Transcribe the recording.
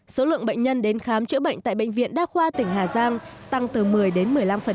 số lượng bệnh nhân đến khám chữa bệnh tại bệnh viện đa khoa tỉnh hà giang tăng từ một mươi đến một mươi năm